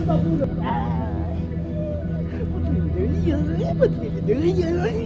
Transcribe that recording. amur ampun ampun